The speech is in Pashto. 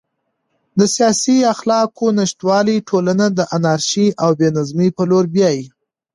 د سیاسي اخلاقو نشتوالی ټولنه د انارشي او بې نظمۍ په لور بیايي.